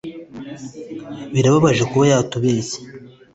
birababaje kuba yatubeshye